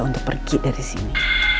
untuk pergi dari sini